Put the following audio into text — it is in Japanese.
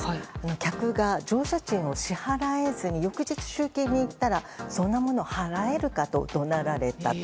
客が乗車賃を支払えずに翌日、集金に行ったらそんなもの払えるかと怒鳴られたと。